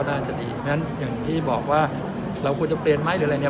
อย่างที่ี้บอกว่าเราจะเปลี่ยนไม่หรืออะไร